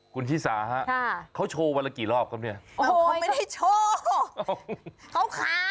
คุณชิสาฮะเขาโชว์วันละกี่รอบครับเนี่ยโอ้โหเขาไม่ได้โชว์ขาว